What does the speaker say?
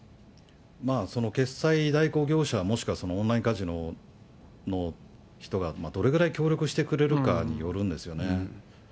その決済代行業者、もしくはオンラインカジノの人がどれぐらい協力してくれるかによるんですよね。